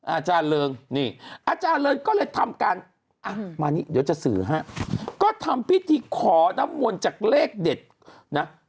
อาจารย์เริงนี่อาจารย์เริงก็เลยทำการอ่ะมานี่เดี๋ยวจะสื่อฮะก็ทำพิธีขอน้ำมนต์จากเลขเด็ดนะ